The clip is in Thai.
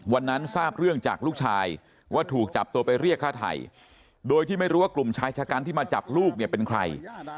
วันนั้นทราบเรื่องจากลูกชายว่าถูกจับตัวไปเรียกฆ่าไทยโดยที่ไม่รู้ว่ากลุ่มชายชะกันที่มาจับลูกเนี่ยเป็นใคร